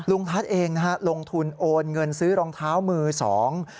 ทัศน์เองนะฮะลงทุนโอนเงินซื้อรองเท้ามือสอง